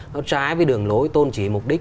nó trái với đường lối tôn trí mục đích